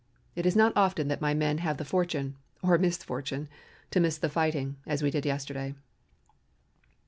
It is not often that my men have the fortune, or misfortune, to miss the fighting, as we did yesterday.